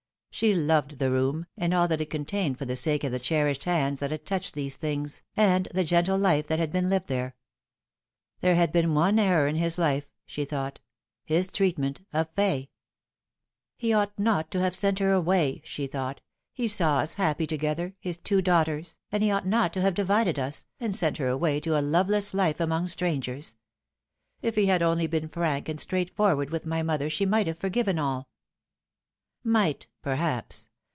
She loved tho room and all that it contained for the sake of the cherished hands that had touched these things, and the gentle lifo that had been lived here. There had been but one error in his life, she thought his treatment of Fay. "He ought not to have sent her away," she thought ;" he saw us happy together, his two daughters, and he ought not to have divided us, and sent her away to a loveless life among strangers. If he had only been frank and straightforward with my mother she might have forgiven all." Might, perhaps.